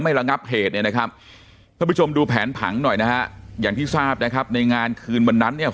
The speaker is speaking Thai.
ไม่ระงับเหตุถ้าผู้ชมดูแผนผังหน่อยอย่างที่ทราบในงานคืนวันนั้น